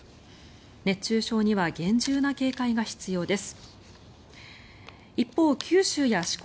熱中症には厳重な警戒が必要です。